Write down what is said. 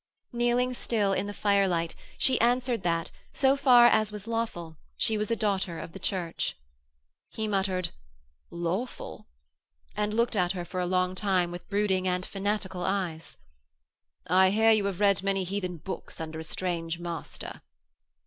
Kneeling still in the firelight, she answered that, so far as was lawful, she was a daughter of the Church. He muttered: 'Lawful!' and looked at her for a long time with brooding and fanatical eyes. 'I hear you have read many heathen books under a strange master.'